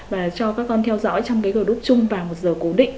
và cho các con theo dõi trong cái group chung vào một giờ cố định